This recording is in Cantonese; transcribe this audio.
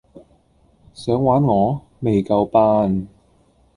想玩我?未夠班